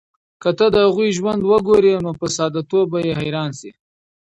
که ته د هغوی ژوند وګورې، نو په ساده توب به یې حیران شې.